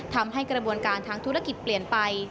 ทำให้กระบวนการทางธุรกิจเปลี่ยนไป